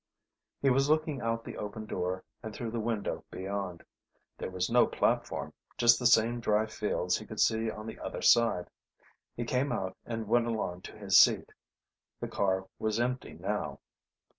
He was looking out the open door and through the window beyond. There was no platform, just the same dry fields he could see on the other side. He came out and went along to his seat. The car was empty now.